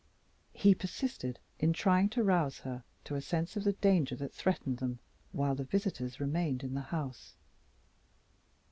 He persisted in trying to rouse her to a sense of the danger that threatened them, while the visitors remained in the house.